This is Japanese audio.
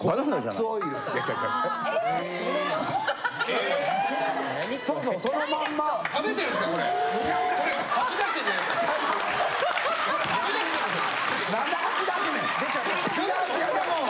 なんで吐き出すねん。